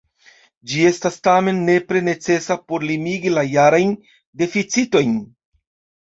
Ĝi estas tamen nepre necesa por limigi la jarajn deficitojn.